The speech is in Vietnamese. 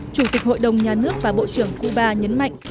chủ tịch hội đồng nhà nước và bộ trưởng cuba nhấn mạnh